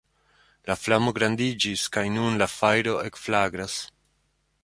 La flamo grandiĝis kaj nun la fajro ekflagras.